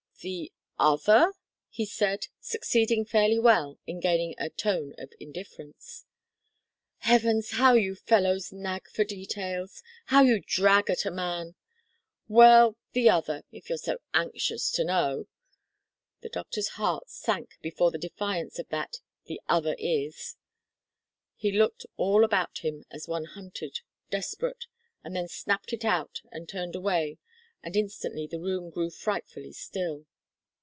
"The other?" he said, succeeding fairly well in gaining a tone of indifference. "Heavens how you fellows nag for details! How you drag at a man! Well, the other if you're so anxious to know" the doctor's heart sank before the defiance of that "the other is" he looked all about him as one hunted, desperate, and then snapped it out and turned away, and instantly the room grew frightfully still.